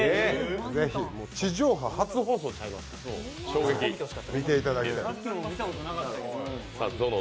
ぜひ、地上波初放送ちゃいますか見ていただいて。